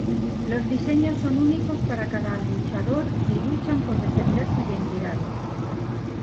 Los diseños son únicos para cada a luchador y luchan por defender su identidad.